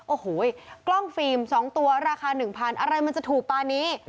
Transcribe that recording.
โอ้โหกล้องฟิล์ม๒ตัวราคา๑๐๐๐อะไรมันจะถูกปลานี้